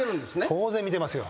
当然見てますよ。